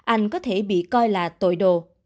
anh có thể bị coi là tội đồ